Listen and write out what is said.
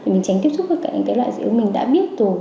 mình tránh tiếp xúc với các loại dị ứng mình đã biết rồi